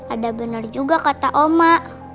ada benar juga kata oma